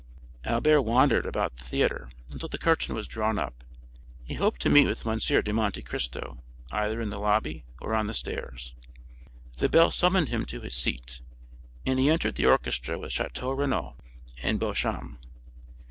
Albert wandered about the theatre until the curtain was drawn up. He hoped to meet with M. de Monte Cristo either in the lobby or on the stairs. The bell summoned him to his seat, and he entered the orchestra with Château Renaud and Beauchamp.